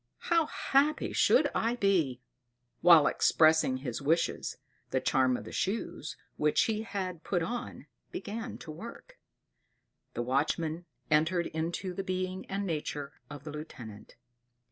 How happy should I be!" While expressing his wish, the charm of the shoes, which he had put on, began to work; the watchman entered into the being and nature of the lieutenant.